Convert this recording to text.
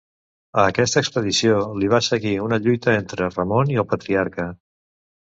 A aquesta expedició li va seguir una lluita entre Ramon i el Patriarca.